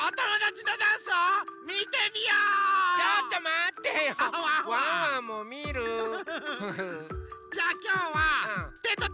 ちょっとまった！